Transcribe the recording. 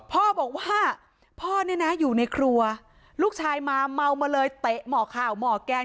พ่อบอกว่าพ่อเนี่ยนะอยู่ในครัวลูกชายมาเมามาเลยเตะหมอข่าวหมอแกง